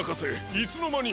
いつのまに！？